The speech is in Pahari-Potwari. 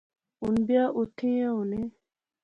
ہن بیاۃ اوتھیں ایہہ ہونے